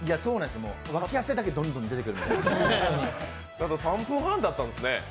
脇汗だけ、どんどん出てくる３分半だったんですね。